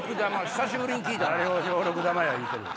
久しぶりに聞いたな。